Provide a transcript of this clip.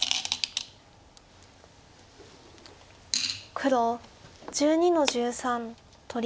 黒１２の十三取り。